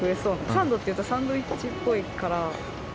サンドっていうか、サンドイッチっぽいから。